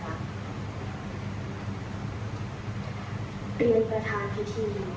เรียนประทานพิธี